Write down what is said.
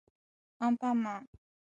あんぱんまん